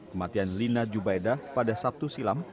kematian lina jubaidah pada sabtu silam